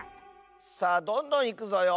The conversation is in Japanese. さあどんどんいくぞよ。